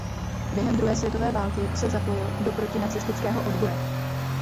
Během druhé světové války se zapojil do protinacistického odboje.